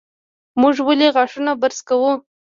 موږ ولې غاښونه برس کوو؟